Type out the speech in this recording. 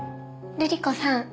瑠璃子さん